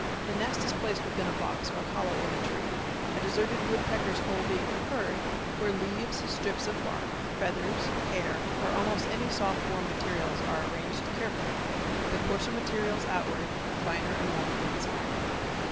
The nest is placed within a box or hollow in a tree, a deserted woodpecker's hole being preferred, where leaves, strips of bark, feathers, hair, or almost any soft, warm materials are arranged carefully, the coarser material outward, the finer and warmer inside.